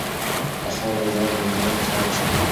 دا خاوره به د آس د ژغورنې سبب شي.